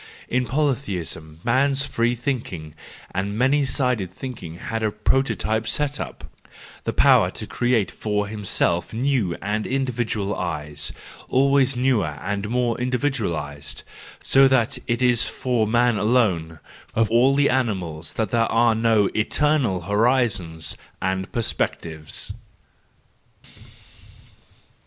In polytheism man's free thinking and many sided thinking had a prototype set up: the power to create for himself new and individual eyes, always newer and more individualised: so that it is for man alone, of all the animals, that there are no eternal horizons and perspectives.